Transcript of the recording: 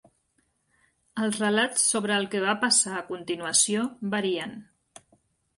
Els relats sobre el que va passar a continuació varien.